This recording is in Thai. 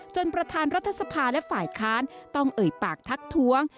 ประธานรัฐสภาและฝ่ายค้านต้องเอ่ยปากทักท้วง